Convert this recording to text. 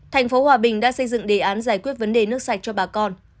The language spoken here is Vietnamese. thành phố hòa bình đã xây dựng đề án giải quyết vấn đề nước sạch cho bà con